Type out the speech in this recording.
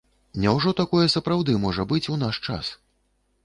Няўжо такое сапраўды можа быць у наш час?